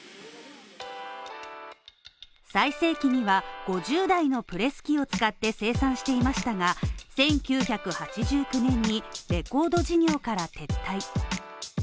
最盛期には５０台のプレス機を使って生産していましたが、１９８９年にコード事業から撤退。